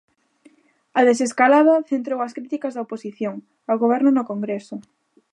A desescalada centrou as críticas da oposición ao Goberno no Congreso.